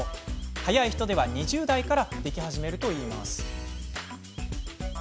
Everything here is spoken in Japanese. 早い人では２０代からでき始めるといいます。